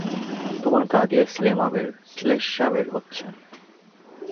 তোমার গা দিয়ে শ্লেষ্মা বেরোচ্ছে।